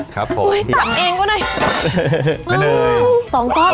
กะทิขอกาทิ